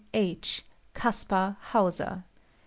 H." (Kaspar Hauser).